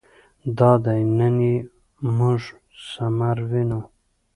دادی نن یې موږ ثمر وینو.